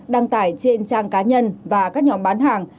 đăng tải trên trang cá nhân và các nhóm bán hàng